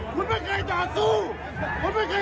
คุณไม่เคยเอาเรื่องเราจะใจ